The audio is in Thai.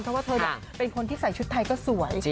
เพราะว่าเธอเป็นคนที่ใส่ชุดไทยก็สวย